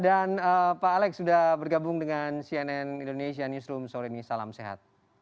dan pak alex sudah bergabung dengan cnn indonesian newsroom sore ini salam sehat